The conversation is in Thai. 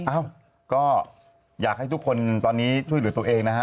เอ้าก็อยากให้ทุกคนตอนนี้ช่วยเหลือตัวเองนะฮะ